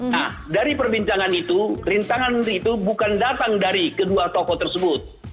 nah dari perbincangan itu rintangan itu bukan datang dari kedua tokoh tersebut